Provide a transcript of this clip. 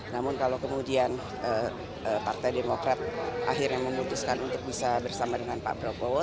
namun kalau kemudian partai demokrat akhirnya memutuskan untuk bisa bersama dengan pak prabowo